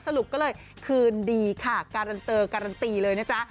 สรุปก็เลยคืนดีค่ะการันเตอร์การันตีเลยนะจ๊ะ